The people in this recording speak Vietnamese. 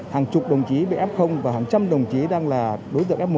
hàng chục đồng chí bị f và hàng trăm đồng chí đang là đối tượng f một